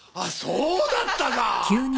そうだったなあ。